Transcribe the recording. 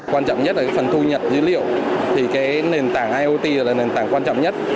quan trọng nhất là cái phần thu nhập dữ liệu thì cái nền tảng iot là nền tảng quan trọng nhất